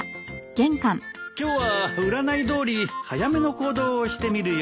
今日は占いどおり早めの行動をしてみるよ。